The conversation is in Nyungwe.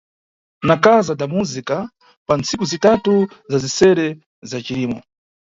Na Casa da Música pa ntsiku zitatu na zisere za Cirimo.